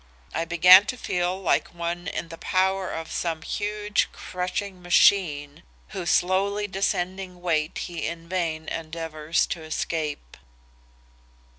I began to feel like one in the power of some huge crushing machine whose slowly descending weight he in vain endeavors to escape.